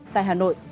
tại hà nội